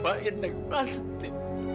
pak maman akan doain nek pasti